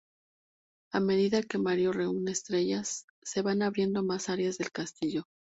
A medida que Mario reúne estrellas, se van abriendo más áreas del castillo.